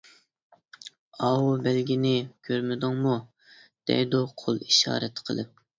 ئاۋۇ بەلگىنى كۆرمىدىڭمۇ دەيدۇ قول ئىشارىتى قىلىپ.